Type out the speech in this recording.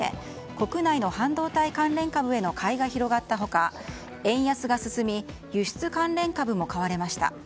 国内の半導体関連株への買いが広がった他円安が進み輸出関連株も買われました。